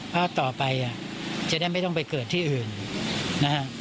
เพราะต่อไปจะได้ไม่ต้องไปเกิดที่อื่นนะฮะ